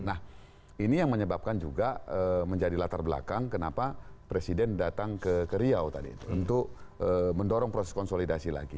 nah ini yang menyebabkan juga menjadi latar belakang kenapa presiden datang ke riau tadi itu untuk mendorong proses konsolidasi lagi